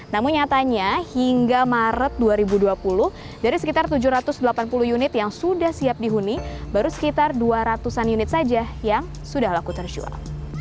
namun nyatanya hingga maret dua ribu dua puluh dari sekitar tujuh ratus delapan puluh unit yang sudah siap dihuni baru sekitar dua ratus an unit saja yang sudah laku terjual